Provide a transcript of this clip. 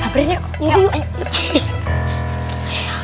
sabrin yuk yuk yuk